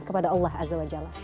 kepada allah azza wa jalla